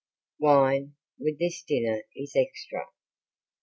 Wine with this dinner is extra.